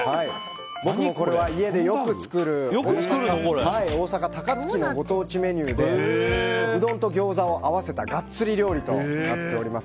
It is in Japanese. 僕もこれは家でよく作る大阪・高槻のご当地メニューでうどんとギョーザを合わせたガッツリ料理となっています。